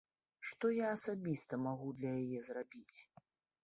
Што я асабіста магу для яе зрабіць?